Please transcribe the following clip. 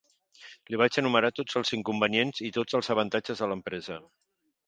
Li vaig enumerar tots els inconvenients i tots els avantatges de l'empresa.